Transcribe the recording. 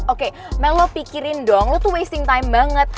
oke melo pikirin dong lo tuh wasting time banget